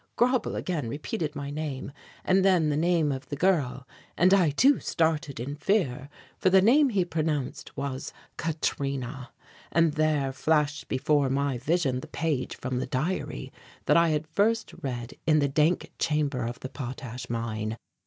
Grauble again repeated my name and then the name of the girl, and I, too, started in fear, for the name he pronounced was "Katrina" and there flashed before my vision the page from the diary that I had first read in the dank chamber of the potash mine.